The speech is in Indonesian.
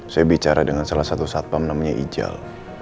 saya bicara dengan salah satu satpam namanya ijal